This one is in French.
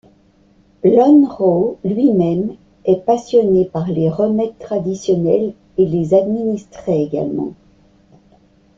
Lönnrot lui-même est passionné par les remèdes traditionnels et les administrait également.